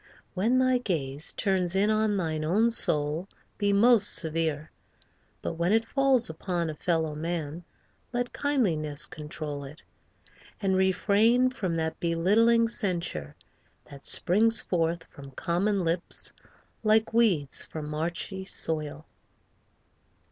When thy gaze Turns in on thine own soul, be most severe. But when it falls upon a fellow man Let kindliness control it; and refrain From that belittling censure that springs forth From common lips like weeds from marshy soil.